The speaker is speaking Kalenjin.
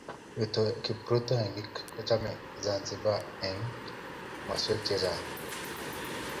Kiprutoinik kochomei Zanzibar eng komoswekchi chemyach.